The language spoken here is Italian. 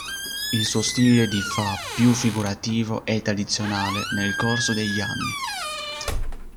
Il suo stile di fa più figurativo e tradizionale nel corso degli anni.